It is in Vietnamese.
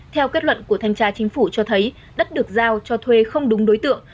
theo kết luận của thanh tra chính phủ cho thấy đất được giao cho thuê không đúng đối tượng